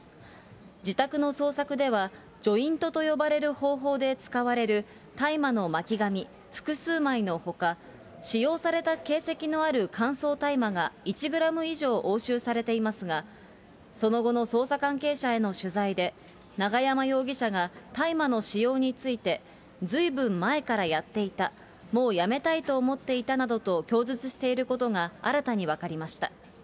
自宅の捜索では、ジョイントと呼ばれる方法で使われる大麻の巻紙、複数枚のほか、使用された形跡のある乾燥大麻が１グラム以上押収されていますが、その後の捜査関係者への取材で、永山容疑者が大麻の使用について、ずいぶん前からやっていた、もうやめたいと思っていたなどと供述していることが新たに分かりました。